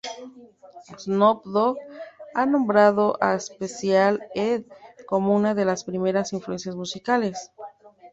Snoop Dogg ha nombrado a Special Ed como una de sus primeras influencias musicales.